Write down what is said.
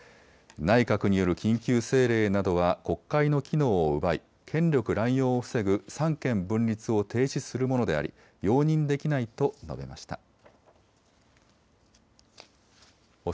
内閣による緊急政令などは国会の機能を奪い、権力乱用を防ぐ三権分立を停止するものであり容認できないと述べました。